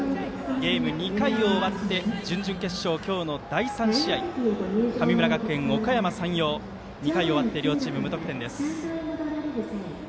ゲーム２回を終わって準々決勝、今日の第３試合神村学園、おかやま山陽２回終わって両チーム、無得点です。